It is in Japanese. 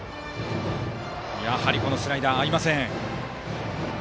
スライダー、合いません。